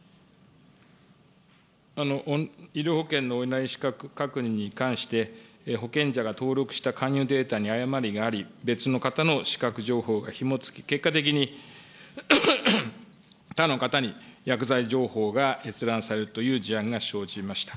医療保険のオンライン資格確認に関して、保険者が登録した患者データに誤りがあり、別の方の登録情報がひも付き、結果的に他の方に薬剤情報が閲覧されるという事案が生じました。